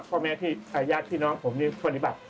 เพราะแม้ย่าที่น้องผมนี่ปฏิบัติ